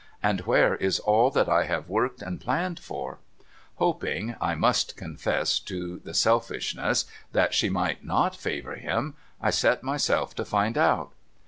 and where is all that I have worked and planned for ?' Hoping — I must confess to the selfishness — that she might 7iot favour him, I set myself to find out.